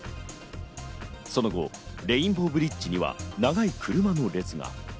その後、レインボーブリッジには長い車の列が。